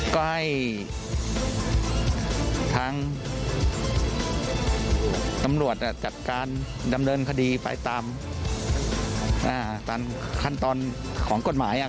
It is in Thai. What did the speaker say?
ก็ให้ทางตำรวจจัดการดำเนินคดีไปตามขั้นตอนของกฎหมาย